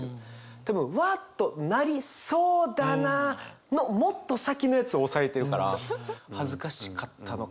多分わあっとなりそうだなのもっと先のやつを抑えてるから恥ずかしかったのか何なのか。